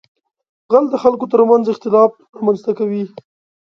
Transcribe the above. غل د خلکو تر منځ اختلاف رامنځته کوي